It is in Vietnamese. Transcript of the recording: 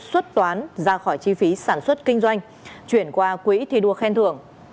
xuất toán ra khỏi chi phí sản xuất kinh doanh chuyển qua quỹ thi đua khen thưởng